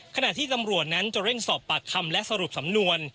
ขณะที่ตำรวจนั้นจะเร่งสอบปากคำและสรุปสำนวน